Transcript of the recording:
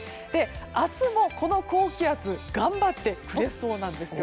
明日も、この高気圧頑張ってくれそうなんです。